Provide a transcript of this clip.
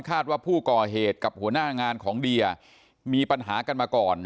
ว่าผู้ก่อเหตุกับหัวหน้างานของเดียมีปัญหากันมาก่อน